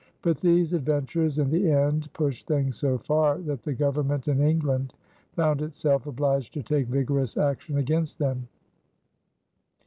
But these adventurers in the end pushed things so far that the Government in England found itself obliged to take vigorous action against them.